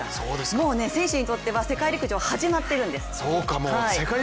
もう選手にとっては世界陸上、始まっているんです。